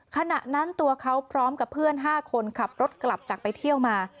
ขณะนั้นตัวเขาพร้อมกับเพื่อน๕คนขับรถกลับจากไปเที่ยวมา